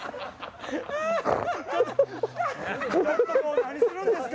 何するんですか？